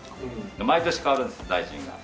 毎年変わるんです大臣が。